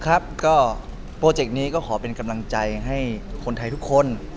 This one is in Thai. ก็โปรเจกต์นี้ก็ขอเป็นกำลังใจให้คนไทยทุกคน